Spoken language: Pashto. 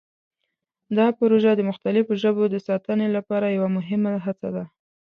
دا پروژه د مختلفو ژبو د ساتنې لپاره یوه مهمه هڅه ده.